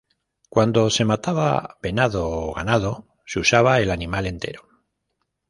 Cuando se mataba venado o ganado, se usaba el animal entero.